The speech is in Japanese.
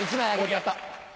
おやった。